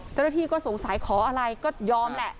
เจ้าหน้าที่ก็สงสัยขออะไรก็ยอมแหละ